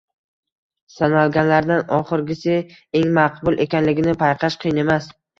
Sanalganlardan oxirgisi eng maqbul ekanligini payqash qiyin emas.